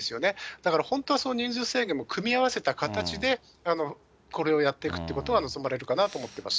だから、本当はその人数制限も組み合わせた形で、これをやっていくっていうことが望まれるかなと思ってます。